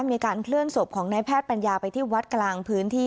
มีการเคลื่อนศพของนายแพทย์ปัญญาไปที่วัดกลางพื้นที่